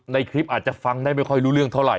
ในคลิปอาจจะฟังได้ไม่ค่อยรู้เรื่องเท่าไห